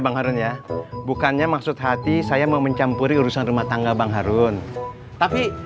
bang harun ya bukannya maksud hati saya mau mencampuri urusan rumah tangga bang harun tapi